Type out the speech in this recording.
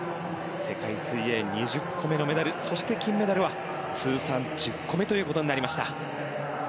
世界水泳２０個目のメダルそして、金メダルは通算１０個目となりました。